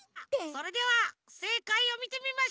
それではせいかいをみてみましょう。